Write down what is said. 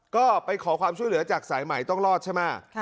ก็ไปขอความช่วยเหลือจากสายใหม่ต้องรอดใช่ไหม